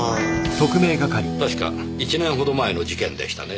たしか１年ほど前の事件でしたねぇ。